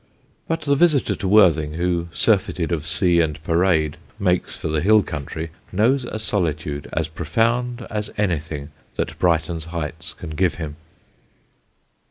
But the visitor to Worthing who, surfeited of sea and parade, makes for the hill country, knows a solitude as profound as anything that Brighton's heights can give him.